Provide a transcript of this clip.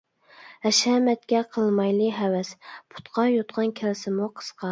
ھەشەمەتكە قىلمايلى ھەۋەس، پۇتقا يوتقان كەلسىمۇ قىسقا.